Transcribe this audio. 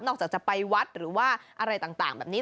จากจะไปวัดหรือว่าอะไรต่างแบบนี้